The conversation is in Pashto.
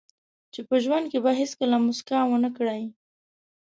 چې په ژوند کې به هیڅکله موسکا ونه کړئ.